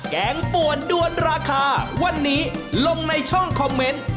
แกงป่วนด้วนราคาวันนี้ลงในช่องคอมเมนต์